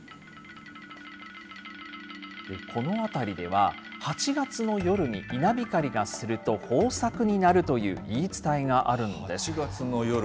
この辺りでは８月の夜に稲光がすると、豊作になるという言い伝えがあるんです。